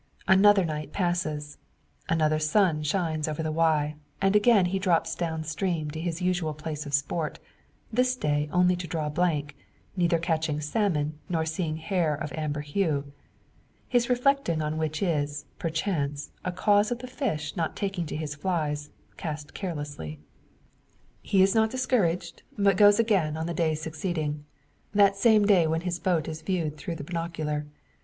Another night passes; another sun shines over the Wye; and he again drops down stream to his usual place of sport this day only to draw blank, neither catching salmon, nor seeing hair of amber hue; his reflecting on which is, perchance, a cause of the fish not taking to his flies, cast carelessly. He is not discouraged; but goes again on the day succeeding that same when his boat is viewed through the binocular.